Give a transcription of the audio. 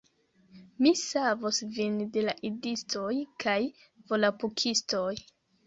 Mi savos vin de la Idistoj kaj Volapukistoj